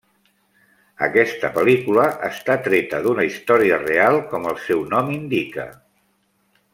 Aquesta pel·lícula està treta d'una història real com el seu nom indica.